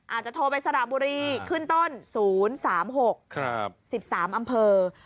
อาจจะโทรไปสระบุรีขึ้นต้น๐๓๖๑๓อำเภอ